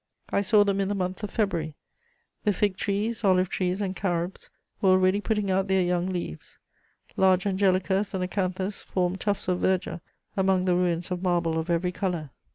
I saw them in the month of February; the fig trees, olive trees, and carobs were already putting out their young leaves; large angelicas and acanthas formed tufts of verdure among the ruins of marble of every colour.